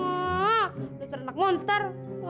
udah serenak monster